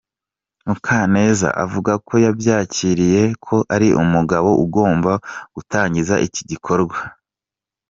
Mukaneza avuga ko yabyakiriye ko ari umugabo ugomba gutangiza iki gikorwa.